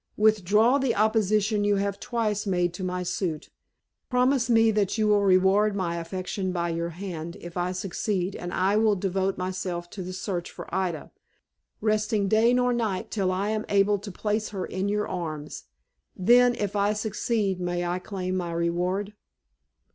Withdraw the opposition you have twice made to my suit, promise me that you will reward my affection by your land if I succeed, and I will devote myself to the search for Ida, resting day nor night till I am able to place her in your arms. Then, if I succeed, may I claim my reward?"